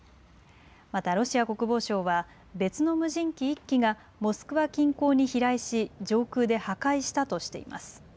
またロシア国防省は別の無人機１機がモスクワ近郊に飛来し上空で破壊したとしています。